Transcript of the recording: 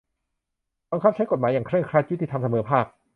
บังคับใช้กฎหมายอย่างเคร่งครัด ยุติธรรม เสมอภาค